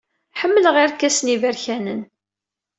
Ḥemmleɣ irkasen iberkanen.